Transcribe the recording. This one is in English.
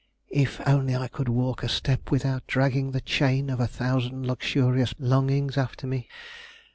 If only I could walk a step without dragging the chain of a thousand luxurious longings after me.